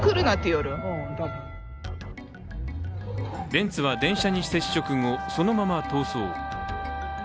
ベンツは電車の接触後、そのまま逃走。